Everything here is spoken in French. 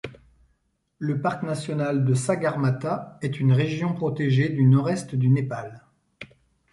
Le Parc national de Sagarmatha est une région protégée du nord-est du Népal.